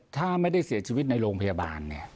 ถ้าไม่ได้เสียชีวิตในโรงพยาบาล